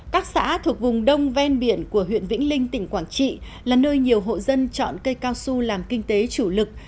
các xã thuộc vùng đông ven biển của huyện vĩnh linh tỉnh quảng trị là nơi nhiều hộ dân chọn cây cao su làm kinh tế chủ lực